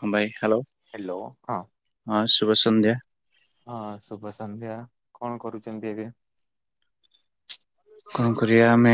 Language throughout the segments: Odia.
ହଁ ଭାଇ ହାଲୋ। ହ୍ୟାଲୋ ହଁ। ହଁ ଶୁଭ ସନ୍ଧ୍ୟା। ହଁ ଶୁଭ ସନ୍ଧ୍ୟା କଣ କରୁଚନ୍ତି ଏବେ। କଣ କରିବା ଆମେ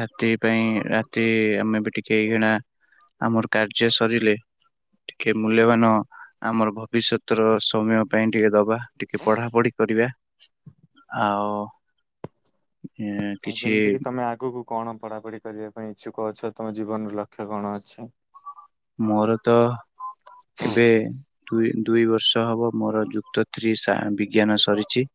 ରାତି ପାଇଁ ରାତି ଆମେ ବି ଟିକେ ଏଇଖିଣା ଆମର କାର୍ଯ୍ୟ ସରିଲେ ଟିକେ ମୂଲ୍ୟବାନ ଆମର ଭବିଷ୍ୟତ ର ସୋମ୍ୟ ପାଇଁ ଟିକେ ଦବା। ଟିକେ ପଢ଼ାପଢ଼ି କରିବା ଆଉ ଏଁ, ଆଉ କିଛି ଯେମିତି କିି ତମେ ଆଗକୁ କଣ ପଢାପଢି କରିବା ପାଇଁ ଇଚ୍ଛୁକ ଅଛ ତମ ଜୀବନର ଲକ୍ଷ୍ୟ କଣ ଅଛି। ମୋର ତ ଏବେ ଦୁଇ ଦୁଇ ବର୍ଷ ହବ ମୋର ଯୁକ୍ତ ଥ୍ରୀ ସା ବିଜ୍ଞାନ ସରିଚି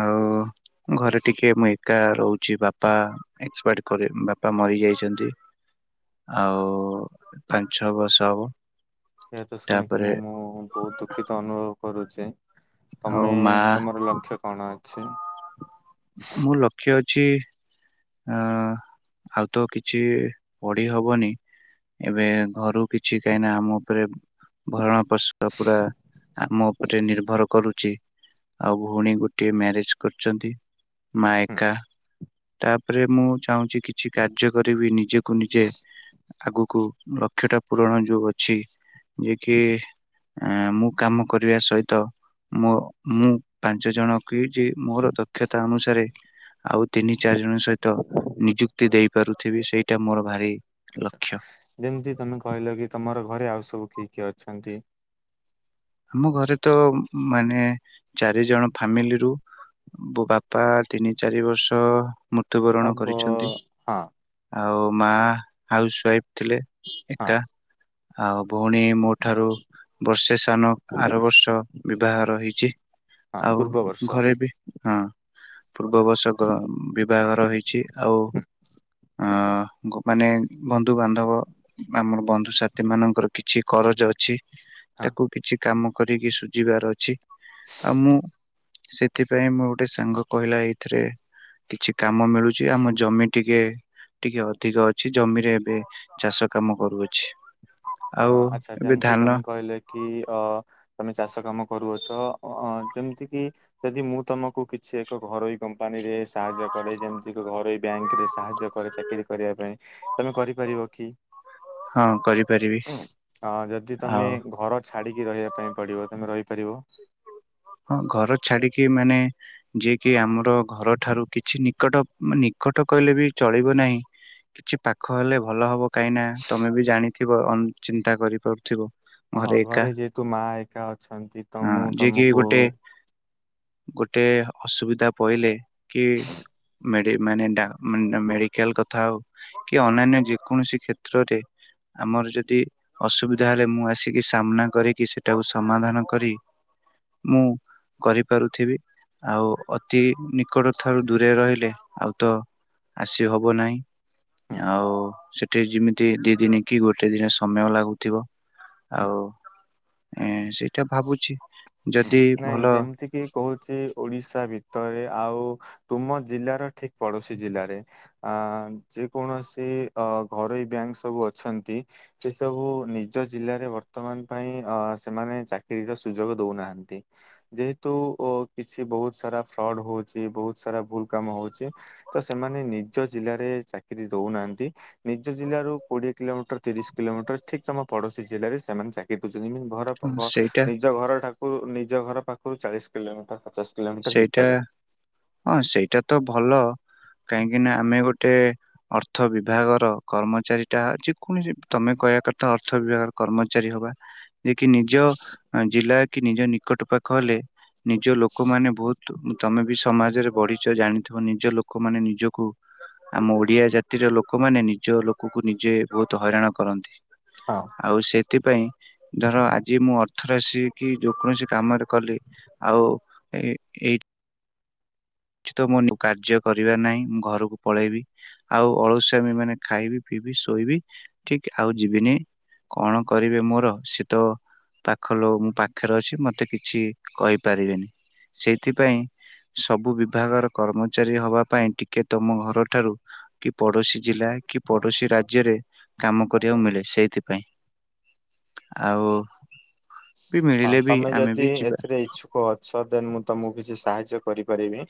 ଆ [inaudible] ଘରେ ଟିକେ ମୁଁ ଏକା ରହୁଚି ବାପା ଏକ୍ସପାଏଡ କରି ବାପା ମରି ଯାଇଚନ୍ତି ଆଉ ପାଞ୍ଛ ବର୍ଷ ହବ। ଏହା ତ ଶୁଣିକି ତାପରେ ମୁଁ ମୁଁ ବହୁ ଦୁଃଖିତ ଅନୁଭବ କରୁଚି। ଆଉ ତମେ ମା ତର ଲକ୍ଷ୍ୟ କଣ ଅଛି। ମୁଁ ଲକ୍ଷ୍ୟ ଅଛି ଅଁ ଆଉ ତ କିଛି ପଢି ହବନି। ଏବେ ଘରୁ କିଛି କାହିଁ ନା ଆମ ଉପରେ ଭରଣ ପୋଶଣ ପୁରା ଆମ ଉପରେ ନିର୍ଭର କରୁଚି ଆଉ ଭଉଣୀ ଗୋଟିଏ ମ୍ୟାରେଜ କରୁଚନ୍ତି। ମା ହୁଁ ଏକା ତାପରେ ମୁଁ ଚାହୁଁଚି କିଛି କାର୍ଯ୍ୟ କରିବି ନିଜେ କୁ ନିଜେ ଆଗକୁ ଲକ୍ଷ୍ୟ ଟା ପୂରଣ ଯୋଉ ଅଛି ଯିଏ କି ଆଁ ମୁଁ କାମ କରିବା ସହିତ ମୋ ମୁଁ ପାଞ୍ଚ ଜଣ କି ଯେ ମୋର ଦକ୍ଷତା ଅନୁଶା ସାରେ ଆଉ ତିନି ଚାରି ଜଣଙ୍କ ସହିତ ନିଯୁକ୍ତି ଦେଇପାରୁଥିବି ସେଇଟା ମୋର ଭାରି ଆଛା ଲକ୍ଷ୍ୟ ଯେମିତି ତମେ କହିଲ କି ତମର ଘରେ ଆଉ ସବୁ କିଏ କିଏ ଅଛନ୍ତି। ଆମ ଘରେ ତ ମାନେ ଚାରି ଜଣ ଫାମିଲିରୁ ମୋ ବାପା ତିନି ଚାରି ବର୍ଷ ମୃତ୍ୟୁବରଣ ହବ କରିଛନ୍ତି। ହଁ ଆଉ ମା ହାଉସ ୱାଇଫ ଥିଲେ ହଁ ଏକା। ଆଉ ଭଉଣୀ ମୋ ଠାରୁ ବର୍ଷେ ସାନ। ଆର ବର୍ଷ ବିବାଘର ହେଇଛି ହଁ ଆଉ ପୂର୍ବ ବର୍ଷ ଘରେ ବି ହଁ ପୂର୍ବବର୍ଶ କ ବିବାହର ହେଇଛି ଆଉ ଅ ଗୋ ମାନେ ବନ୍ଧୁବାନ୍ଧବ ଆମର ବନ୍ଧୁସାଥି ମାନଙ୍କର କିଛି କରଜ ଅଛି। ହଁ ତାକୁ କିଛି କାମ କରିକି ସୁଝିବାର ଅଛି ଆଉ ମୁଁ ସେଥିପାଇଁ ମୁଁ ଗୋଟେ ସାଙ୍ଗ କହିଲା ଏଇଥିରେ କିଛି କାମ ମିଳୁଛି ଆମ ଜମି ଟିକେ ଟିକେ ଅଧିକ ଅଛି ଜମିରେ ଏବେ ଚାଷ କାମ କରୁଅଛି। ଅ ଆଉ ଆଚ୍ଛା ଏବେ ଯେମିତି ଧାନ ତମେ କହିଲେ କି ଅ ତମେ ଚାଷ କାମ କରୁଅଛ ଅ ଯେମିତି କିି ଯଦି ମୁଁ ତମକୁ କିଛି ଏକ ଘରୋଇ କମ୍ପାନୀରେ ସାହାଯ୍ୟ କରେ ଯେମିତି ଏକ ଘରୋଇ ବ୍ୟାଙ୍କ ରେ ସାହାଯ୍ୟ କରେ ଚାକିରି କରିବା ପାଇଁ ତମେ କରିପାରିବ କି? ହଁ କରିିବ। ହଁ ଯଦି ତମେ ଘର ଛାଡିକି ରହିବା ପାଇଁ ପଡିବ ତମେ ରହିପାରିବ। ହଁ ଘର ଛାଡିକି ମାନେ ଯିଏକି ଆମର ଘରଠାରୁ କିଛି ନିକଟ ନିକଟ କହିଲେ ବି ଚଳିବ ନାହିଁ କିଛି ପାଖ ହେଲେ ଭଲ ହବ କାହିଁ ନା ତମେ ବି ଜାଣିଥିବ ଚିନ୍ତା କରିପାରୁଥିବ। ହଁ ଘରେ ଯେହେତୁ ମା ଏକା ଅଛନ୍ତି ତ ହଁ ମୁଁ ଯିଏ କିି ତମକୁ ଗୋଟେ ଗୋଟେ ଅସୁବିଧା ପଇଲେ କି ମେଡି ମାନେ ମେଣ୍ଡା ମେଡିକାଲ କଥା ହଉ କି ଅନ୍ୟନ୍ୟ ଯେ କୌଣସି କ୍ଷେତ୍ରରେ ଆମର ଯଦି ଅସୁବିଧା ହେଲେ ମୁଁ ଆସିକି ସାମ୍ନା କରିକି ସେଟାକୁ ସମାଧାନ କରି ମୁଁ କରିପାରୁଥିବି ଆଉ ଅତି ନିକଟ ଠାରୁ ଦୂରେ ରହିଲେ ଆଉ ତ ଆସି ହବ ନାହିଁ। ହୁଁ ଆଉ ସେ ଗୋଟେ ଯେମିତି ଦି ଦିନ କି ଗୋଟେ ଦିନ ସମୟ ଲାଗୁଥିବ ହୁଁ ଆଉ ହଁ ସେଇଟା ଭାବୁଛି। ଯଦି ନାଇଁ ଭଲ ଯେମିତି କିି କହୁଛି ଓଡିଶା ଭିତରେ ଆଉ ତୁମ ଜିଲ୍ଲାର ଠିକ ପଡୋଶୀ ଜିଲ୍ଲାରେ ଅ ଯେ କୌଣସି ଅ ଘରୋଇ ବ୍ୟାଙ୍କ ସବୁ ଅଛନ୍ତି ସେ ସବୁ ନିଜ ଜିଲ୍ଲାରେ ବର୍ତ୍ତମାନ ପାଇଁ ଅ ସେମାନେ ଚାକିରିର ସୁଯୋଗ ଦଉନାହାନ୍ତି। ଯେହେତୁ ଓ କିଛି ବହୁତ ସାରା ଫ୍ରଡ ହଉଛି ବହୁତ ସାରା ଭୁଲ କାମ ହଉଛି ତ ସେମାନେ ନିଜ ଜିଲ୍ଲାରେ ଚାକିରୀ ଦଉନାହାନ୍ତି। ନିଜ ଜିଲ୍ଲାରୁ କୋଡିଏ କିଲୋମିଟର ତିରିଶ କିଲୋମିଟର ଠିକ ତମ ପଡୋଶୀ ଜିଲ୍ଲାରେ ସେମାନେ ଚାକି ଦଉଛନ୍ତି। ଏମିତି ଭ ସେଇଟା ନିଜ ଘର ଠାକୁ ନିଜ ଘର ପାଖରୁ ଚାଳିଶ କିଲୋମିଟର ପଚାଶ କିଲୋମିଟର ସେଇଟା ଭିତରେ ହଁ ସେଇଟା ତ ଭଲ କାହିଁକି ନା ଆମେ ଗୋଟେ ଅର୍ଥ ବିଭାଗର କର୍ମଚାରୀ ଟା ଯେକୌଣସି ତମେ କହିବା କଥା ଅର୍ଥ ବିଭାଗ କର୍ମଚାରୀ ହବା। ଯେ କି ନିଜ ଜିଲ୍ଲା କି ନିଜ ନିକଟ ପାଖ ହେଲେ ନିଜ ଲୋକମାନେ ବହୁତ ତମେ ବି ସମାଜରେ ବଢିଛ ଜାଣିଥିବ ନିଜ ଲୋକମାନେ ନିଜକୁ ଆମ ଓଡିଆ ଜାତିର ଲୋକମାନେ ନିଜ ଲୋକକୁ ନିଜେ ବହୁତ ହଇରାଣ କରନ୍ତି। ହଁ। ଆଉ ସେଥିପାଇଁ ଧର ଆଜି ମୁଁ ଅର୍ଥର ଆସ କିି ଯେକୌଣସି କାମରେ କଲି ଆଉ [unintelligible] କି ତ ମୁଁ କାର୍ଯ୍ୟ କରିବା ନାହିଁ ମୁଁ ଘରକୁ ପଳେଇବି। ଆଉ ଅଳଶୁଆମି ମାନେ ଖାଇବି ପିଇବି ଶୋଇବି ଠିକ ଆଉ ଯିବିନି। କଣ କରିବେ ମୋର ସେ ତ ପାଖ ଲୋମ ପାଖରେ ଅଛି ମତେ କିଛି କହିପାରିବେନି। ସେଇଥିପାଇଁ ସବୁ ବି ଭାଗର କର୍ମଚାରୀ ହବା ପାଇଁ ଟିକେ ତମ ଘରଠାରୁ କି ପଡୋଶୀ ଜିଲ୍ଲା କି ପଡୋଶୀ ରାଜ୍ୟରେ କାମ କରିବାକୁ ମିଳେ ସେଇଥିପାଇଁ। ଆଉ ବି ମିଳିଲେ ବି ଆମେ ବି ଯିବା। ପଛ ଦେନ୍ ମୁଁ ତମକୁ କିଛି ସାହାଯ୍ୟ କରିପାରିବି।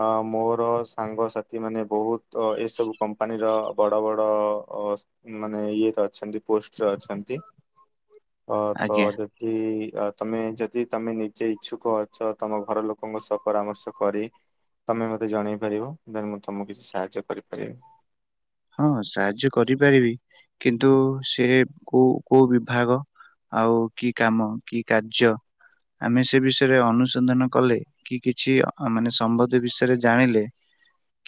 ହଁ ମୋର ସାଙ୍ଗସାଥି ମାନେ ବହୁତ ଏସବୁ କମ୍ପାନୀର ବଡ଼ ବଡ଼ ଅ ମାନେ ଇଏରେ ଅଛନ୍ତି ପୋଷ୍ଟରେ ଅଛନ୍ତି। ଅ ଆଜ୍ଞା। ତ କି ତମେ ଯଦି ତମେ ନିଜେ ଇଛୁକ ଅଛ ତମ ଘର ଲୋକଙ୍କ ସହ ପରାମର୍ଶ କରି ତମେ ମତେ ଜଣେଇ ପାରିବ ଦେନ୍ ମୁଁ ତମକୁ କିଛି ସାହାଯ୍ୟ କରିପାରିବି। ହଁ ସାହାଯ୍ୟ କରିପାରିବି କିନ୍ତୁ ସେ କୋଉ କୋଉ ବିଭାଗ? ଆଉ କି କାମ କି କାର୍ଯ୍ୟ ଆମେ ସେ ବିଷୟରେ ଅନୁସନ୍ଧାନ କଲେ କି କିଛି ଅ ମାନେ ସମତେ ଏ ବିଷୟରେ ଜାଣିଲେ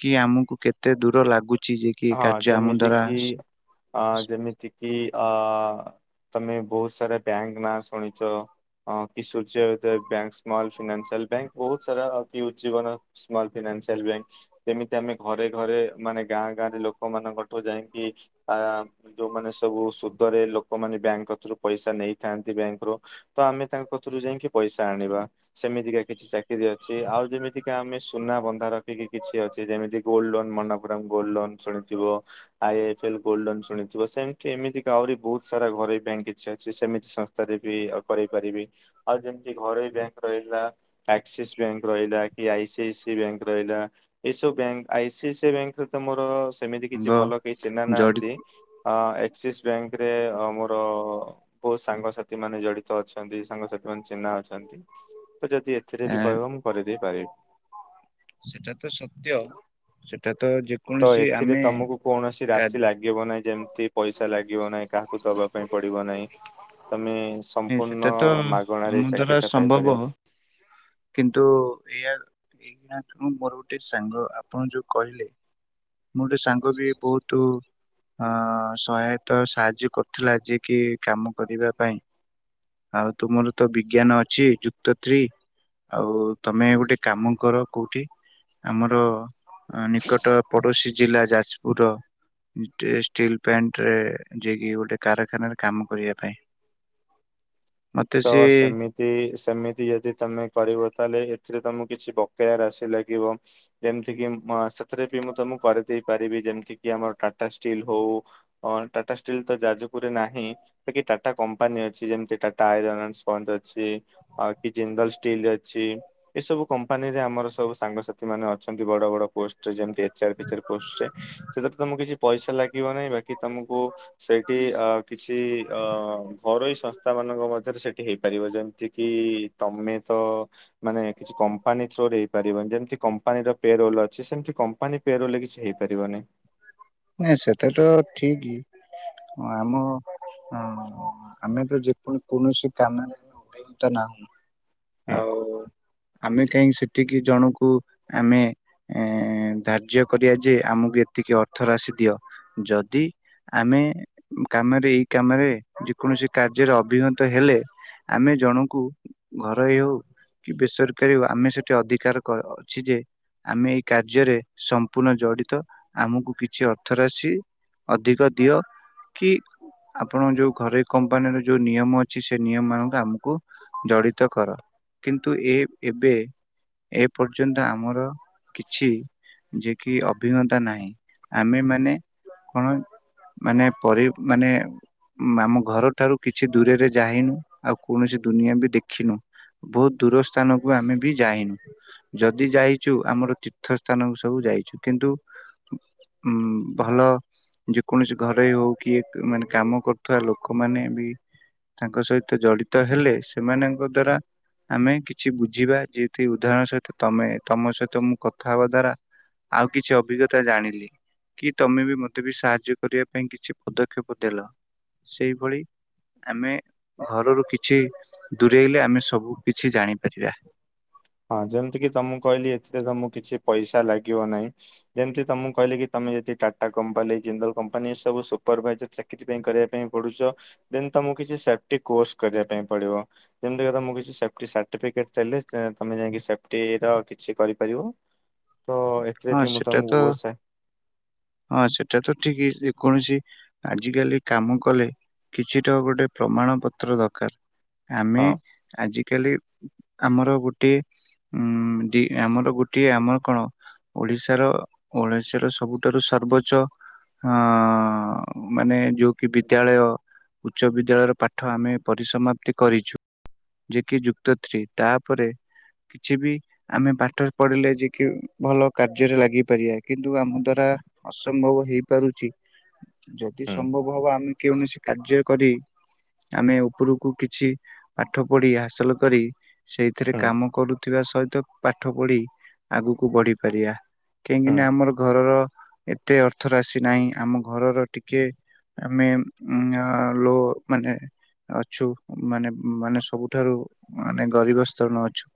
କି ଆମକୁ କେତେ ଦୂର ରାଗୁଚି ଯେ କି ହଁ କାର୍ଯ୍ୟ ଆମ ଯେମିତି ଦ୍ଵାରା କିି ଅ ସାଙ୍ଗ ଯେମିତି କିି ଅ ତମେ ବୋହୁତ ସାରା ବ୍ୟାଙ୍କ ନାଁ ଶୁଣିଚ ହଁ କି Surya Uday bank small financial bank ବୋହୁତ ସାରା [unintelligible] ସ୍ମଲ୍ ଫିନାନ୍ସିଆଲ ବ୍ୟାଙ୍କ ଯେମିତି ଆମେ ଘରେ ଘରେ ମାନେ ଗାଁ ଗାଁ ଲୋକମାନଙ୍କଠୁ ଯାଇଁକି ଆ ଯୋଉମାନେ ସବୁ ସୁଧରେ ଲୋକମାନେ ବ୍ୟାଙ୍କ କତିରୁ ପଇସା ନେଇଥାନ୍ତି ବ୍ୟାଙ୍କର ତ ଆମେ ତାଙ୍କ କତିରୁ ଯାଇଁକି ପଇସା ଆଣିବା ସେମିତିକା କିଛି ଚାକିରି ଅଛି ଆଉ ଯେମିତିକା ଆମେ ସ୍ ସୁନା ବନ୍ଧା ରଖିକି କିଛି ଅଛି ଯେମିତି gold loan Manappuram gold loan ଶୁଣିିଥିବ। I H L gold loan ଶୁଣିଥିବ ସେମତି ଏମିତିକା ଆହୁରି ବୋହୁତ ସାରା ଘରୋଇ ବ୍ୟାଙ୍କ କିଛି ଅଛି ସେମିତି ସନ୍ ସ୍ଥାରେ ବି ଆଉ କରେଇ ପାରିବି ଆଉ ଯେମତି ଘରୋଇ ବ୍ୟାଙ୍କ ରହିଲା ଆକ୍ସିସ୍ ବ୍ୟାଙ୍କ ରହିଲା କି I C I C bank ରହିଲା ଏ ସବୁ ବ୍ୟାଙ୍କ ଆଇ ସି ଆଇ ସ ବ୍ୟାଙ୍କରେ ତ ମୋର ଏମିତି କିଛି ଭଲ କେହି ଚିହ୍ନା ଜଡି ନାହାନ୍ତି ଅ ଆକ୍ସିସ୍ ବ୍ୟାଙ୍କରେ ଅ ମୋର ବୋହୁତ ସାଙ୍ଗସାଥି ମାନେ ଜଡିତ ଅଛନ୍ତି ସାଙ୍ଗସାଥି ମାନେ ଚିହ୍ନା ଅଛନ୍ତି ତ ଯଦି ଏ ଏଥିରେ ବି କହିବ ମୁଁ କରେଇ ଦେଇପାରିବି। ସେଟା ତ ସତ୍ୟ ସେଟା ତ ଯେ ତ ଏଥିରେ ତମକୁ କୌଣସି ରାଶି ଲା ଗିବ ନାହିଁ ଯେମତି ପଇସା ଲାଗିବ ନାହିଁ କାହାକୁ ଦବା ପାଇଁ ପଡିବ ନାହିଁ ତମେ ସ ସେଟା ସମ୍ପୂର୍ଣ୍ଣ ତ ଆମ ମାଗଣାରେ ଏଇ ଦ୍ଵାରା ଚାକିରିଟା ସମ୍ଭବ ପାଇପାରିବ। କିନ୍ତୁ ଏଇଆ ଏଇଖିଣାଠୁ ମୋର ଗୋଟେ ସାଙ୍ଗ ଆପଣ ଯୋଉ କହିଲେ ମୋର ଗୋଟେ ସାଙ୍ଗ ବି ବୋହୁତୁ ହଁ ସହାୟତ ସାହାଯ୍ୟ କରୁଥିଲା ଆ ଯିଏ କି କାମ କରିବା ପାଇଁ। ଆଉ ତୁମର ତ ବିଜ୍ଞାନ ଅଛି ଯୁକ୍ତ ଥ୍ରୀ ଆଉ ତମେ ଗୋଟେ କାମ କର କୋଉଠି ଆମର ଅ ନିକଟ ପଡୋଶୀ ଜିଲ୍ଲା ଯାଜପୁରର ଇଷ୍ଟ୍ରେ ଷ୍ଟିଲ୍ ପ୍ଲାଣ୍ଟରେ ଯାଇକି ଗୋଟେ କାରଖାନାରେ କାମ କରିବା ପାଇଁ। ମତେ ତ ସିଏ ସେମି ତି ସେମିତି ଯଦି ତମେ କରିବ ତାହେଲେ ଏଥିରେ ତମକୁ କିଛି ବକେୟ ରାଶି ଲାଗିବ। ଯେମତି କିି ମ ସେଥିରେ ବି ମୁଁ ତମକୁ କରେଇ ଦେଇ ପାରିବି ଯେମତି କି ଆମର ଟାଟା ଷ୍ଟିଲ୍ ହୋଉ ହଁ ଟାଟା ଷ୍ଟିଲ୍ ତ ଯାଜପୁରରେ ନାହିଁ ବାକି ଟାଟା କମ୍ପାନୀ ଅଛି ଯେମତି ଟା ଟାୟାରନ୍ ଆନ ସ୍ପନ୍ଦ ଅଛି ଆଉ କି ଜନ୍ଦଲ ସ୍ ଷ୍ଟିଲ ଅଛି ଏସବୁ କମ୍ପାନୀରେ ଆମର ସବୁ ସାଙ୍ଗସାଥି ମାନେ ଅଛନ୍ତି ବଡ ବଡ ପୋଷ୍ଟରେ ଯେମ ଏଚ୍ ଆର୍ ଫେଚ୍ ଆର୍ ସେଥିରେ ତମକୁ କିଛି ପଇସା ଲାଗିବ ନାହିଁ ବାକି ତମକୁ ସେଇଠି ଅ କିଛି ଅ ଘରୋଇ ସଂସ୍ଥା ମା ନଙ୍କ ମଧ୍ୟରେ ସେଠି ହେଇପାରିବ ଯେମତି କି ତମେ ତ ମାନେ କିଛି କମ୍ପାନୀ ଥ୍ରୋରେ ହେଇପାରିବ ଯେମତି କମ୍ପାନୀର ପେ ରୋଲ ଅଛି ସେମତି କମ୍ପାନୀ ପେ ରୋଲରେ କିଛି ହେଇ ପାରିବନେଇ। ନାଇଁ ସେଟା ତ ଠିକି ହଁ ଆମ ଅଁ ଆମେ ତ ଯେ କୌଣ କୌଣସି କାମରେ ହୁଁ। ଆଉ ଆମେ କାଇଁ ସେଠିକି ଜଣକୁ ଆମେ ଏଁ ଧାର୍ଯ୍ୟ କରିବା ଯେ ଆମକୁ ଏତିକି ଅର୍ଥ ରାଶି ଦିଅ ଯଦି ଆମେ କାମରେ ଏଇ କାମରେ ଯେ କୌଣସି କାର୍ଯ୍ୟରେ ଅଭିଜ୍ଞତା ହେଲେ ଆମେ ଜଣକୁ ଘରୋଇ ହୋଉ କି ବେସରକାରୀ ଆମେ ସେଠି ଅଧିକାର କ ଅଛି ଯେ ଆମେ ଏଇ କାର୍ଯ୍ୟରେ ସମ୍ପୂର୍ଣ୍ଣ ଜଡିତ ଆମକୁ କିଛି ଅର୍ଥ ରାଶି ଅଧିକ ଦିଅ କି ଆପଣ ଯୋଉ ଘରୋଇ କମ୍ପାନୀରେ ଯୋଉ ନିୟମ ଅଛି ସେ ନିୟମମାନଙ୍କୁ ଆମକୁ ଜଡିତ କର କିନ୍ତୁ ଏ ଏବେ ଏ ପର୍ଯ୍ୟନ୍ତ ଆମର କିଛି ଯେ କିି ଅଭିଜ୍ଞତା ନାହିଁ। ଆମେ ମାନେ କଣ ମାନେ ପର ମାନେ ଆମ ଘରଠାରୁ କିଛି ଦୂରରେ ଯାାଇନୁ ଆଉ କୌଣସି ଦୁନିଆ ବି ଦେଖିନୁ। ବହୁତ ଦୂର ସ୍ଥାନକୁ ଆମେ ବି ଯାଇନୁ। ଯଦି ଯାଇଛୁ ଆମର ତୀର୍ଥ ସ୍ଥାନକୁ ସବୁ ଯାଇଛୁ। କିନ୍ତୁ ଉଁ ଭଲ ଯେ କୌଣସି ଘରେ ହଉ କି ମାନେ କାମ କରୁଥିବା ଲୋକମାନେ ବି ତାଙ୍କ ସହିତ ଜଡିତ ହେଲେ ସେମାନଙ୍କ ଦ୍ଵାରା ଆମେ କିଛି ବୁଝିବା ଯେ ଉଦାହରଣ ସହିତ ତମେ ତମ ସହିତ ମୁଁ କଥା ହବା ଦ୍ଵାରା ଆଉ କିଛି ଅଭିଜ୍ଞତା ଜାଣିଲି। କି ତମେ ବି ମତେ ବି ସାହାଯ୍ୟ କରିବା ପାଇଁ କିଛି ପଦକ୍ଷେପ ଦେଲ। ସେଇଭଳି ଆମେ ଘରରୁ କିଛି ଦୂରେଇଲେ ଆମେ ସବୁ କିଛି ଜାଣିପାରିବା। ହଁ ଯେମିତି କି ତମକୁ କହିଲି ଏଥିରେ ତମକୁ କିଛି ପଇସା ଲାଗିବ ନାହିଁ। ଯେମିତି ତମକୁ କହିଲେ କି ତମେ ଯଦି ଟାଟା କମ୍ପାନୀ ଜିନ୍ଦଲ କମ୍ପାନୀ ଏ ସବୁ ସୁପରଭାଇଜର ସେଥିପାଇଁ କରିବା ପାଇଁ ପଡୁଛ। ଦେ ତମକୁ କିଛି ସେଫଟି କୋର୍ସ କରିବା ପାଇଁ ପଡିବ ଯେମିତି ତମ କିଛି ସେ ସାର୍ଟିଫିକେଟ ଚା ସେ ତମେ ଯାଇକି ସେଫଟି ର କିଛି କରିପାରିବ। ତ ଏଥିରେ ହଁ ବି ମୁଁ ସେଟ ତ ତମକୁ ବହୁତ ସା ହଁ ସେଟା ତ ଠିକ ଯେ କୌଣସି ଆଜିକାଲି କାମ କଲେ। କିଛିଟା ଗୋଟେ ପ୍ରମାଣ ପତ୍ର ଦରକାର ଆମେ ହଁ ଆଜିକାଲି ଆମର ଗୋଟଏ ଉ ଆମର ଗୋଟିଏ ଆମର କଣ ଓଡିଶାର ଓଶାର ସବୁଠାରୁ ସର୍ବୋଚ୍ଚ ହ ମାନେ ଯୋଉ କି ବିଦ୍ୟାଳୟ ଉଚ୍ଚ ବିଦ୍ୟାଳୟର ପାଠ ଆମେ ପରିସମାପ୍ତି କରିଛୁ। ଯେଏ କିି ଯୁକ୍ତ ଥ୍ରୀ ତାପରେ କିଛି ବି ଆମେ ବାଟରେ ପଢିଲେ ଯେ କି ଭଲ କାର୍ଯ୍ୟରେ ଲାଗି ପାରିବା କିନ୍ତୁ ଆମ ଦ୍ଵାରା ଅସମ୍ଭବ ହେଇପାରୁଛି। ଯଦି ହୁଁ ସମ୍ଭବ ହବ। ଆମେ କେଉଁ କାର୍ଯ୍ୟ କରି ଆମେ ଉପରକୁ କିଛି ପାଠ ପଢି ହାସଲ କରି। ସେଇଥିରେ ହୁଁ କାମ କରୁଥିବା ସହିତ ପାଠ ପଢି ଆଗକୁ ବଢିପାରିବା। କାହିଁକି ହୁଁ ନା ଆମର ଘରର ଏତେ ଅର୍ଥ ରାଶି ନାହିଁ ଆମ ଘରର ଟିକେ ଆମେ ଲୋ ମାନେ ଅଛୁ ମାନେ ମାନେ ସବୁଠାରୁ ମାନେ ଗରିବ ସ୍ତରଣ ଅଛୁ।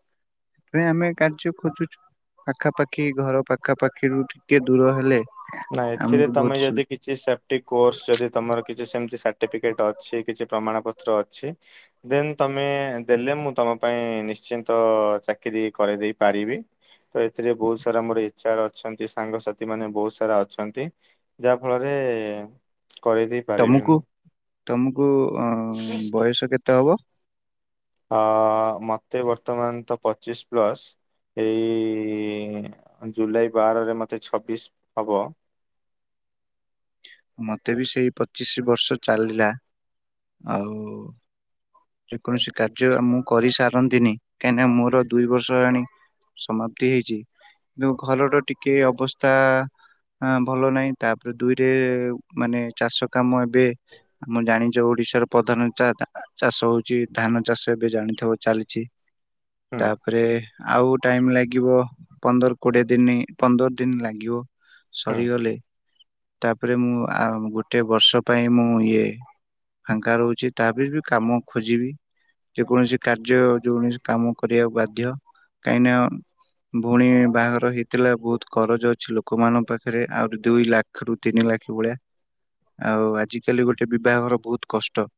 ଏଥିପ ଆମେ କାର୍ଯ୍ୟ ଖୋଜୁଛୁ। ପାଖାପାଖି ଘର ପାଖାପାଖିରୁ ଟିକେ ଦୂର ହେଲେ ନାଇଁ ଏଥିରେ ଆମକୁ ବହୁତ ତମେ ସୁ ଯଦି କି। କିଛି ସେଫଟି କୋର୍ଷ ଯଦି ତମର କିଛି ସେମିତି ସାର୍ଟିଫିକେଟ ଅଛି କିଛି ପ୍ରମାଣ ପତ୍ର ଅଛି। ଦେନ୍ ତମେ ଦେଲେ ମୁଁ ତମ ପାଇଁ ନିଶ୍ଚିନ୍ତ ଚାକିରି କରେଇ ଦେଇ ପାରିବି। ତ ଏଥିରେ ବହୁତ ସାରା ମୋର ଇଚଛାର ଅଛନ୍ତି। ସାଙ୍ଗସାଥି ମାନେ ବହୁତ ଅଛନ୍ତି। ଯାହା ଫଳରେ କରିଦେଇ ତମକୁ ତମକୁ ଅ ବୟସ କେତେ ହବ? ହ ମତେ ବର୍ତ୍ତମାନ ତ ପଚିଶ ପ୍ଲସ୍। ଏଇ ଜୁଲାଇ ବାରରେ ମୋତେ ଛବିଶ ହବ। ମତେ ବି ସେଇ ପଚିଶି ବର୍ଷ ଚାଲିଲା। ଆଉ ଯେ କୌଣସି କାର୍ଯ୍ୟ ମୁଁ କରିସାରନ୍ତିନି କାହିଁକିନା ନା ମୋର ଦୁଇ ବର୍ଷ ହେଲାଣି। ସମାପ୍ତି ହେଇଛି। କି ଘରର ଟିକେ ଅବସ୍ଥା ହଁ ଭଲ ନାହିଁ ତାପରେ ଦୁଇରେ ମାନେ ଚାଷ କାମ ଏବେ ମୁଁ ଜାଣିଛ ଓଡ଼ିଶାର ପ୍ରଧାନ ଟା ହେଲା। ଚାଷ ହୋଉଚି ଧାନ ଚାଷ ଏବେ ଜାଣିଥେବ ଚାଲିଛି ତା ରେ ଆଉ ଟାଇମ ଲାଗିବ ପନ୍ଦର କୋଡ଼ିଏ ଦିନି ପନ୍ଦର ଦିନ ଲାଗିବ। ସରିଗଲେ। ତାପରେ ମୁଁ ଆ ଗୋଟେ ବର୍ଷ ପାଇଁ ମୁଁ ଇଏ ଫାଙ୍କା ରୋହୁଛି [unintelligible] କାମ ଖୋଜିବି। ଯେକୌଣସି କାର୍ଯ୍ୟ ଯେକୌଣସି କାମ କରିବାକୁ ବାଧ୍ୟ କାହିଁକି ନା ଭୋଉଣୀ ବାହାଘର ହେଇଥିଲା ବୋହୁତ କରଜ ଅଛି ଲୋକୋ ମାନଙ୍କ ପାଖେରେ ଆହୁରି ଦୁଇ ଲା କ୍ଷ ରୁ ତିନି [unintelligible] ଭଳିଆ ଆଉ ଆଜିକାଲି ଗୋଟେ ବିବାଘର ବୋହୁତ କଷ୍ଟ।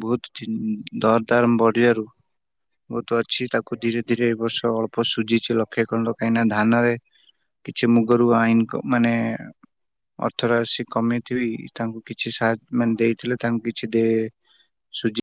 ବୋହୁତ [unintelligible] ଦର ଦାରମ୍ ବଢ଼ିବାରୁ। ବୋହୁତ ଅଛି ତାକୁ ଧୀରେ ଧୀରେ ଏ ବର୍ଷ ଅଳ୍ପ ସୁଜିଚି ଲକ୍ଷେ [unintelligible] କାହିଁକି ନା ଧାନରେ କିଛି ମୁଗରୁ ଆଇନ୍ କ ମାନେ ଅର୍ଥ ରାଶି କମେଇଥିବି ତାଙ୍କୁ କିଛି ସାହା ମାନେ ଦେଇଥିଲେ ତାଙ୍କୁ କିଛି [unintelligible]